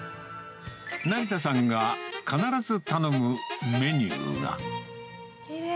成田さんが必ず頼むメニューきれい。